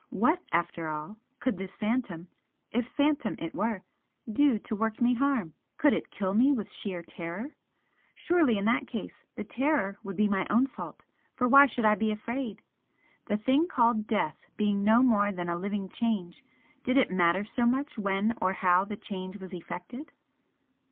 What, after all, could this Phantom if Phantom it were do to work me harm? Could it kill me with sheer terror? Surely in that case the terror would be my own fault, for why should I be afraid? The thing called Death being no more than a Living Change did it matter so much when or how the change was effected?